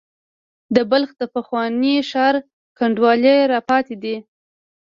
د بلخ د پخواني ښار کنډوالې را پاتې دي.